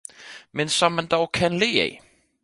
Men som man dog kan le af!